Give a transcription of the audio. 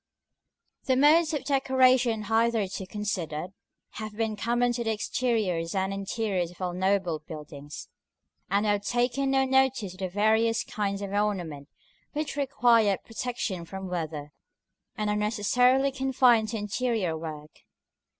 § I. The modes of decoration hitherto considered, have been common to the exteriors and interiors of all noble buildings; and we have taken no notice of the various kinds of ornament which require protection from weather, and are necessarily confined to interior work.